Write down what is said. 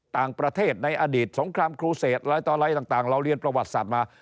ต่างประเทศในอดีตสงครามครูเศษอะไรต่ออะไรต่างเราเรียนประวัติศาสตร์มา